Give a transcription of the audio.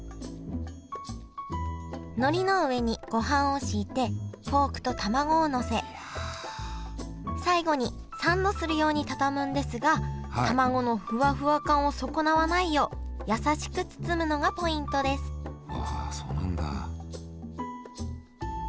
のりの上にごはんを敷いてポークとたまごをのせ最後にサンドするように畳むんですがたまごのふわふわ感を損なわないようやさしく包むのがポイントですわあそうなんだ。